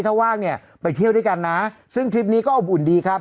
ถ้าว่างเนี่ยไปเที่ยวด้วยกันนะซึ่งทริปนี้ก็อบอุ่นดีครับ